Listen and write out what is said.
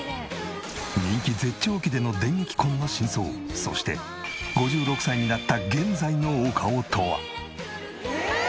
人気絶頂期での電撃婚の真相そして５６歳になった現在のお顔とは？